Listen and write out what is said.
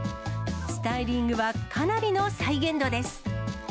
スタイリングはかなりの再現度です。